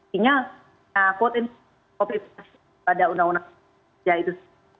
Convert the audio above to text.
pertama kita menakutkan kopi kopi pada undang undang kerja itu